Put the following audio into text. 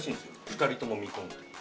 ２人とも未婚。